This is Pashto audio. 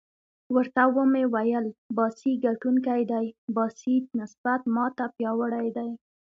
ورته ومې ویل: باسي ګټونکی دی، باسي نسبت ما ته پیاوړی دی.